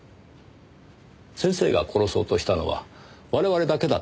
先生が殺そうとしたのは我々だけだったはずです。